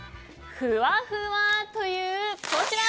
ふわふわというこちら。